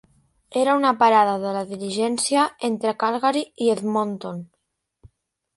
Era una parada de la diligència entre Calgary i Edmonton.